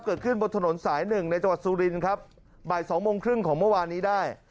เกิดขึ้นบนถนนสายหนึ่งในจังหวัดสุรินครับบ่ายสองโมงครึ่งของเมื่อวานนี้ได้